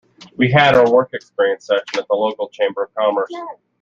We had our work experience session at the local chambers of commerce.